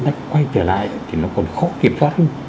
nó quay trở lại thì nó còn khó kiểm soát